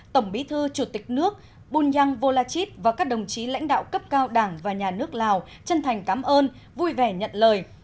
tổng bí thư chủ tịch nước bùn nhăng vô la chít và các đồng chí lãnh đạo cấp cao đảng và nhà nước lào chân thành cảm ơn vui vẻ nhận lời